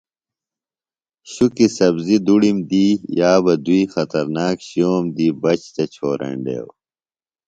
شُکیۡ سبزیۡ دُڑم دی یا بہ دُوئی خطرناک شِئوم دی بچ تھےۡ چھورینڈیوۡ۔